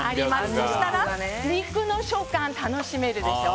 そしてら肉の食感楽しめるでしょ。